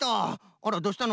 あらどうしたの？